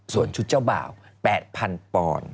ส่วนชุดเจ้าบ่าว๘๐๐๐ปอนด์